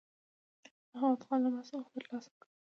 احمد قلم راڅخه تر لاسه کړ.